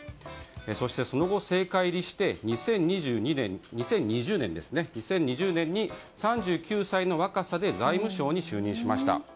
そして、その後政界入りして２０２０年に３９歳の若さで財務省に就任しました。